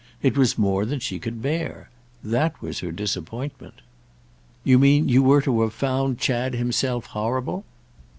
It was more than she could bear. That was her disappointment." "You mean you were to have found Chad himself horrible?"